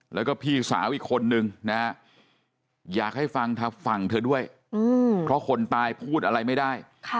แล้วก็พี่สาวอีกคนนึงนะฮะอยากให้ฟังฝั่งเธอด้วยเพราะคนตายพูดอะไรไม่ได้